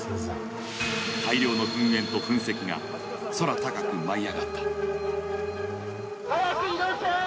大量の噴煙と噴石が空高く舞い上がった。